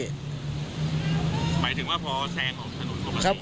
หมายถึงว่าพอแซงออกถนนปกติ